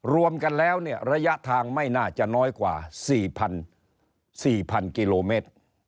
รวมกันแล้วเนี่ยระยะทางไม่น่าจะน้อยกว่า๔๐๐๔๐๐๐กิโลเมตร